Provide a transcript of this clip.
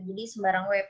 jadi sembarang web